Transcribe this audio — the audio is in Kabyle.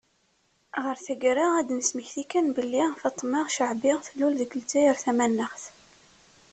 Ɣer taggara, ad d-nesmekti kan belli, Faṭma Caɛbi tlul deg Lezzayer Tamaneɣ.